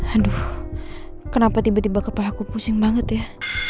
aduh kenapa tiba tiba kepala aku pusing banget ya